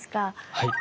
はい。